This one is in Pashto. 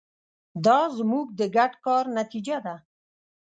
دا زموږ د ګډ کار نتیجه ده.